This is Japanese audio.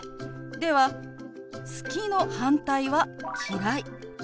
では「好き」の反対は「嫌い」。